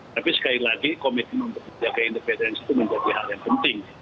tapi sekali lagi komitmen untuk menjaga independensi itu menjadi hal yang penting